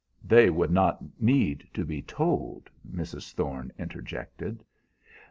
"They would not need to be told," Mrs. Thorne interjected.